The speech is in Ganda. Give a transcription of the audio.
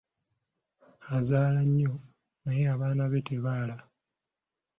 Azaala nnyo naye abaana be tebaala.